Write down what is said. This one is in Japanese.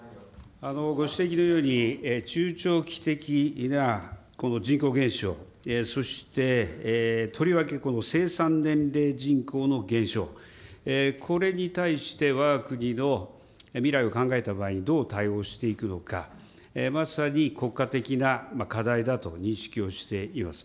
ご指摘のように、中長期的な人口減少、そしてとりわけこの生産年齢人口の減少、これに対してわが国の未来を考えた場合にどう対応していくのか、まさに国家的な課題だと認識をしています。